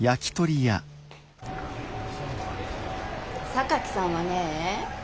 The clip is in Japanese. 榊さんはねえ